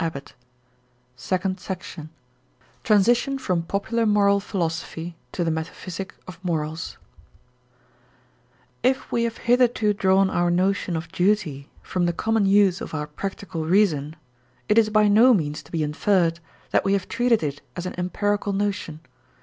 SEC_2 SECOND SECTION TRANSITION FROM POPULAR MORAL PHILOSOPHY TO THE METAPHYSIC OF MORALS If we have hitherto drawn our notion of duty from the common use of our practical reason, it is by no means to be inferred that we have treated it as an empirical notion.